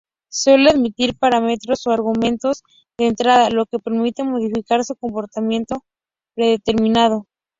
Suele admitir parámetros o argumentos de entrada, lo que permite modificar su comportamiento predeterminado.